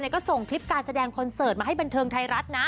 ก็ส่งคลิปการแสดงคอนเสิร์ตมาให้บันเทิงไทยรัฐนะ